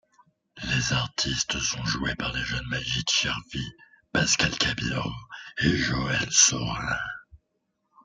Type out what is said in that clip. Les artistes sont joués par les jeunes Magyd Cherfi, Pascal Cabero et Joël Saurin.